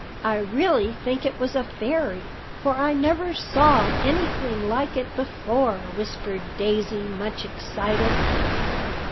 I really think it was a fairy; for I never saw any thing like it before," whispered Daisy, much excited.